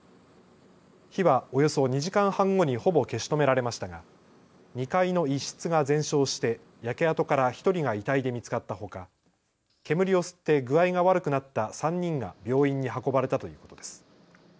火はおよそ２時間半後にほぼ消し止められましたが２階の一室が全焼して焼け跡から１人が遺体で見つかったほか煙を吸って具合が悪くなった３人が病院に運ばれたということです。